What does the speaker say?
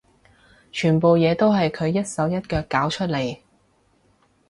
全部嘢都係佢一手一腳搞出嚟